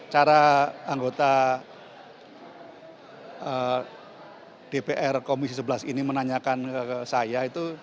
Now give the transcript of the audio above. cara anggota dpr komisi sebelas ini menanyakan ke saya itu